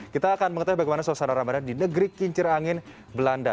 kita akan mengetahui bagaimana suasana ramadan di negeri kincir angin belanda